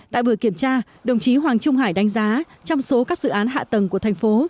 tại buổi kiểm tra đồng chí hoàng trung hải đánh giá trong số các dự án hạ tầng của thành phố